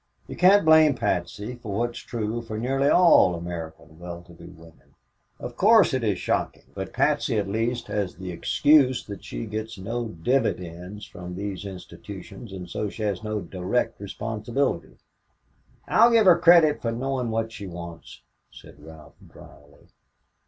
You can't blame Patsy for what is true of nearly all American well to do women. Of course it is shocking. But Patsy at least has the excuse that she gets no dividends from these institutions and so has no direct responsibility." "I'll give her credit for knowing what she wants," said Ralph, dryly.